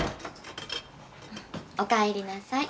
おかえりなさい。